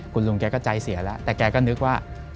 คุณลุงแกก็ใจเสียแล้วแต่แกก็นึกว่า